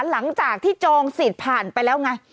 หลังจากที่จองสิทธิ์ผ่านไปแล้วไง